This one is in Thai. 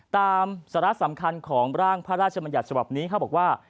สาระสำคัญของร่างพระราชมัญญัติฉบับนี้เขาบอกว่า